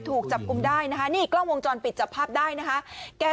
ถูกจับกลุ่มได้นะคะนี่กล้องวงจรปิดจับภาพได้นะคะ